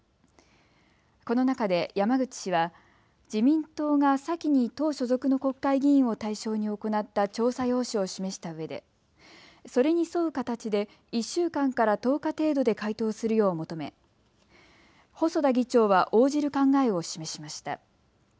この中で山口氏は自民党が先に党所属の国会議員を対象に行った調査用紙を示したうえでそれに沿う形で１週間から１０日程度で回答するよう求め細田議長は応じる考えを示しました。